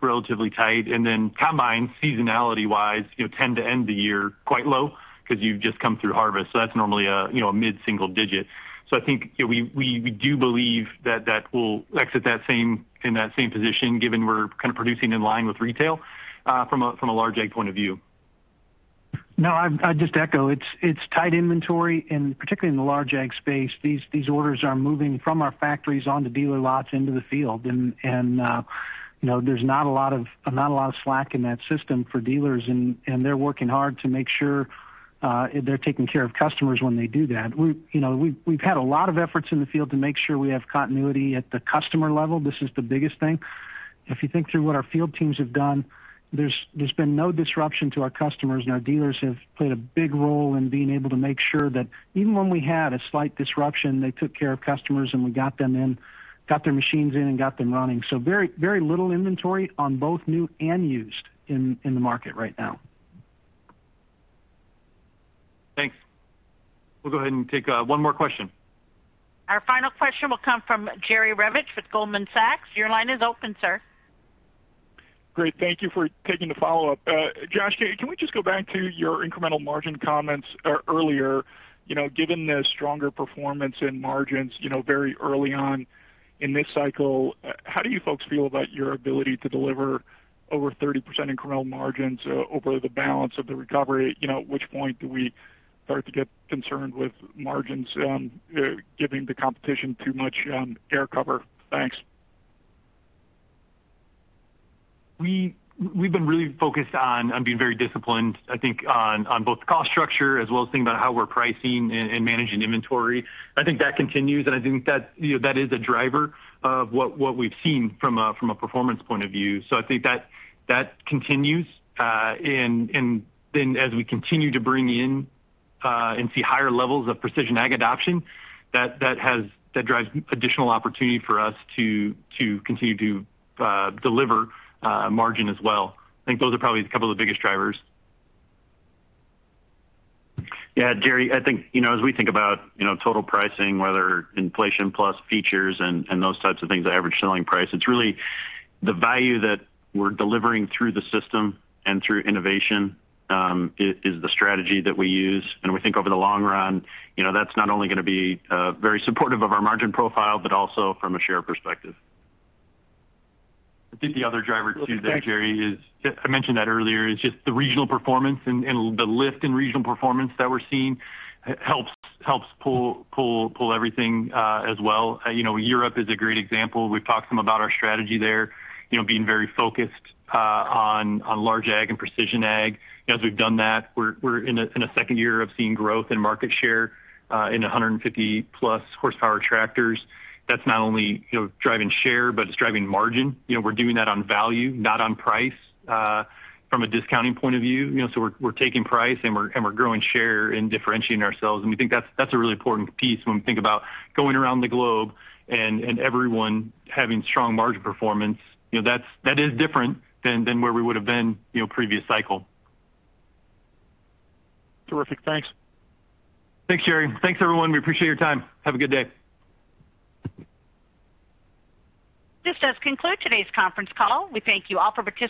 tight. Combines, seasonality-wise, tend to end the year quite low because you've just come through harvest. That's normally a mid-single digit. I think we do believe that that will exit in that same position given we're kind of producing in line with retail from a Large Ag point of view. No, I'd just echo. It's tight inventory, particularly in the Large Ag space, these orders are moving from our factories onto dealer lots into the field. There's not a lot of slack in that system for dealers, and they're working hard to make sure they're taking care of customers when they do that. We've had a lot of efforts in the field to make sure we have continuity at the customer level. This is the biggest thing. If you think through what our field teams have done, there's been no disruption to our customers, and our dealers have played a big role in being able to make sure that even when we had a slight disruption, they took care of customers and we got their machines in and got them running. Very little inventory on both new and used in the market right now. Thanks. We'll go ahead and take one more question. Our final question will come from Jerry Revich with Goldman Sachs. Your line is open, sir. Great. Thank you for taking the follow-up. Josh, can we just go back to your incremental margin comments earlier? Given the stronger performance in margins very early on in this cycle, how do you folks feel about your ability to deliver over 30% incremental margins over the balance of the recovery? At which point do we start to get concerned with margins giving the competition too much air cover? Thanks. We've been really focused on being very disciplined, I think on both cost structure as well as thinking about how we're pricing and managing inventory. I think that continues. I think that is a driver of what we've seen from a performance point of view. I think that continues. As we continue to bring in and see higher levels of Precision Ag adoption, that drives additional opportunity for us to continue to deliver margin as well. I think those are probably a couple of the biggest drivers. Jerry, I think, as we think about total pricing, whether inflation plus features and those types of things, average selling price, it's really the value that we're delivering through the system and through innovation is the strategy that we use. We think over the long run, that's not only going to be very supportive of our margin profile, but also from a share perspective. I think the other driver, too, Jerry, is I mentioned that earlier, is just the regional performance and the lift in regional performance that we're seeing helps pull everything as well. Europe is a great example. We've talked some about our strategy there, being very focused on Large Ag and Precision Ag. As we've done that, we're in a second year of seeing growth in market share in 150+ horsepower tractors. That's not only driving share, but it's driving margin. We're doing that on value, not on price from a discounting point of view. We're taking price and we're growing share and differentiating ourselves, and we think that's a really important piece when we think about going around the globe and everyone having strong margin performance. That is different than where we would've been previous cycle. Terrific. Thanks. Thanks, Jerry. Thanks, everyone. We appreciate your time. Have a good day. This does conclude today's conference call. We thank you all for participating.